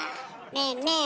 ねえねえ